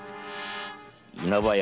稲葉屋。